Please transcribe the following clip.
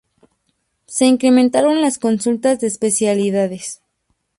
Se incrementaron las consultas de especialidades.